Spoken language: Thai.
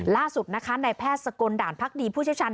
ล่าสุดนะคะในแพทย์สกลด่านพักดีผู้เชี่ยวชาญ